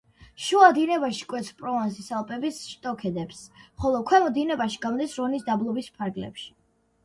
შუა დინებაში კვეთს პროვანსის ალპების შტოქედებს, ხოლო ქვემო დინებაში გამოდის რონის დაბლობის ფარგლებში.